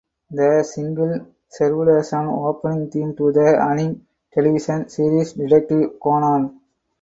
The single served as an opening theme to the anime television series Detective Conan.